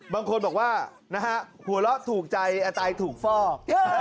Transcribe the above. บางคนบอกว่านะฮะหัวเราะถูกใจอาตายถูกฟอก